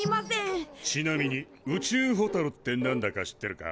ちなみに宇宙ホタルって何だか知ってるか？